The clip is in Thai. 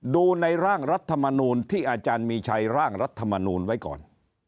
ดูในร่างรัฐมนูลที่อาจารย์มีชัยร่างรัฐมนูลไว้ก่อน